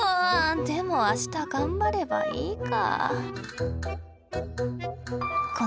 でも明日頑張ればいいか。